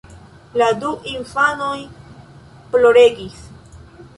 La du infanoj ploregis.